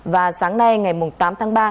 và sáng nay ngày tám tháng ba